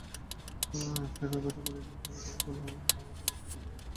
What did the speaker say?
পেরেরার positive হওয়ার খবর কাল জানা গেলেও পরীক্ষাটা হয়েছিল মাস পাঁচেক আগে।